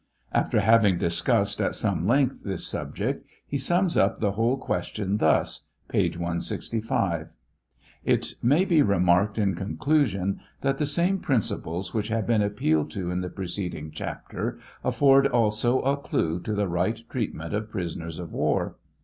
After having discussed at some length this subject, he sums up the whole question thus, (p. 165 :)■ It may be remarked in conclusion that the same principles which have been appealed to in the preceding chapter afford also a clue to the right treatment of prisoners of war.